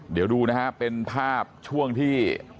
เดี๋ยวดูนะฮะเป็นภาพช่วงที่